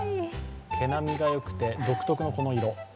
毛並みがよくて、独特のこの色。